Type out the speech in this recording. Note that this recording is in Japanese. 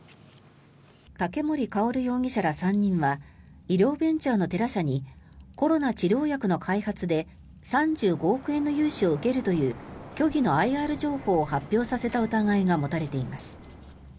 竹森郁容疑者ら３人は医療ベンチャーのテラ社にコロナ治療薬の開発で３５億円の融資を受けるという虚偽のＩＲ情報を発表させた疑いが持たれています。